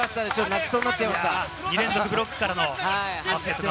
泣きそうになっちゃいました。